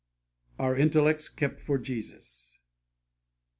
Our Intellects kept for Jesus.